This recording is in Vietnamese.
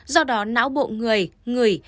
do đó não bộ người người